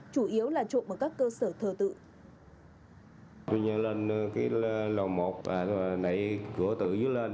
chủ yếu là trộm ở các cơ sở thờ tự